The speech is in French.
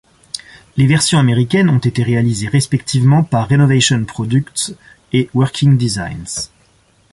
Les versions américaines ont été réalisées respectivement par Renovation Products et Working Designs.